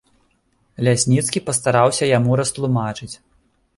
Лясніцкі пастараўся яму растлумачыць.